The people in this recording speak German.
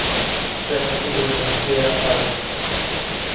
Scherzartikel sind sehr alt.